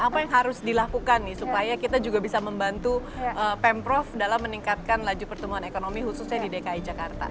apa yang harus dilakukan nih supaya kita juga bisa membantu pemprov dalam meningkatkan laju pertumbuhan ekonomi khususnya di dki jakarta